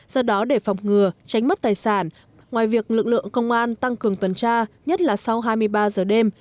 do đó để phòng ngừa tránh mất tài sản ngoài việc lực lượng công an tăng cường tuần tra nhất là sau hai mươi ba giờ đêm